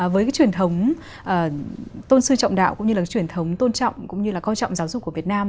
với cái truyền thống tôn sư trọng đạo cũng như là truyền thống tôn trọng cũng như là coi trọng giáo dục của việt nam